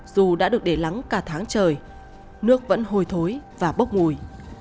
dù đã được để lắng cả tháng trời nước vẫn hồi thối và bốc mùi